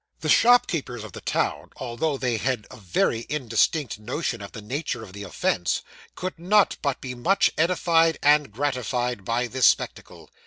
The shopkeepers of the town, although they had a very indistinct notion of the nature of the offence, could not but be much edified and gratified by this spectacle.